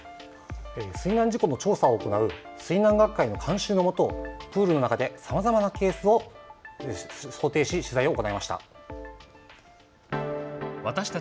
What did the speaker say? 水難事故の調査を行う水難学会の監修のもとプールの中でさまざまなケースを想定し取材を行いました。